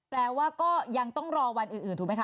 แปลว่าก็ยังต้องรอวันอื่นถูกไหมคะ